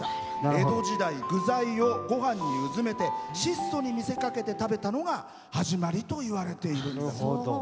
江戸時代具材を、ごはんにうずめて質素に見せかけて食べたのが始まりといわれています。